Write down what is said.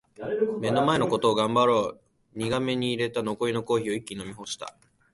「目の前のことを頑張ろう」苦めに淹れた残りのコーヒーを一気に飲み干した。